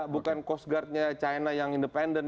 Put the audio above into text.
bukan coast guardnya china yang independen